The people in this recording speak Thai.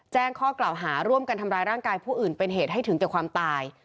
แจ้งข้อกล่าวหาร่วมกันทำร้ายร่างกายผู้อื่นเป็นเหตุให้ถึงแก่ความตาย